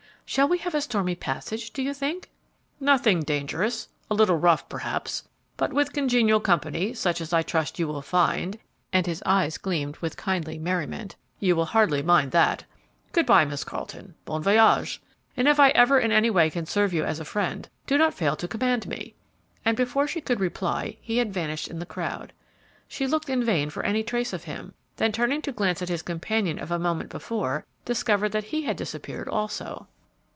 Shall we have a stormy passage, do you think?" "Nothing dangerous; a little rough, perhaps; but with congenial company, such as I trust you will find," and his eyes gleamed with kindly merriment, "you will hardly mind that. Good by, Miss Carleton; bon voyage; and if I can ever in any way serve you as a friend, do not fail to command me," and before she could reply he had vanished in the crowd. She looked in vain for any trace of him; then turning to glance at his companion of a moment before, discovered that he had disappeared also.